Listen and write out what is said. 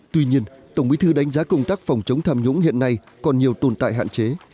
tuy nhiên tổng bí thư đánh giá công tác phòng chống tham nhũng hiện nay còn nhiều tồn tại hạn chế